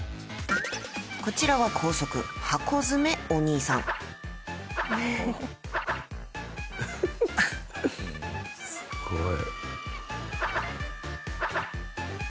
こちらはすごい。